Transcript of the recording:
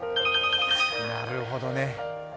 なるほどね。